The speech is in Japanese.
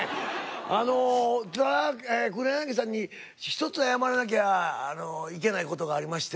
あの黒柳さんに一つ謝らなきゃいけない事がありまして。